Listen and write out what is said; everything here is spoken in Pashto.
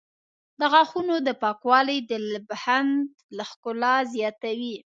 د غاښونو پاکوالی د لبخند ښکلا زیاتوي.